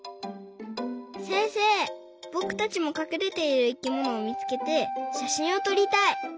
せんせいぼくたちもかくれている生きものをみつけてしゃしんをとりたい。